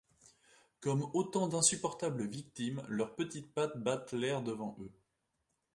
Comme autant d’insupportables victimes, leurs petites pattes battent l’air devant eux.